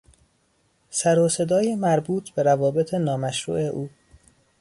سر و صدای مربوط به روابط نامشروع او